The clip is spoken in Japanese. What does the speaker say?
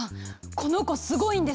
この子すごいんです！